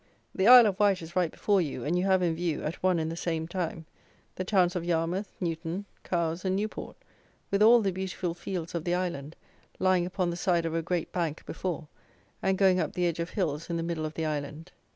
The Isle of Wight is right before you, and you have in view, at one and the same time, the towns of Yarmouth, Newton, Cowes and Newport, with all the beautiful fields of the island, lying upon the side of a great bank before, and going up the ridge of hills in the middle of the island.